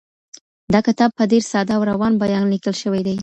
دا کتاب په ډېر ساده او روان بېان ليکل شوی دی.